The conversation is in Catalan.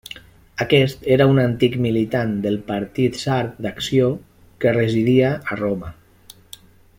Aquest era un antic militant del Partit Sard d'Acció que residia a Roma.